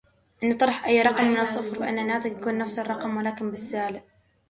عند طرح أي رقم من الصفر فإن الناتج يكون نفس الرقم ولكن بالسالب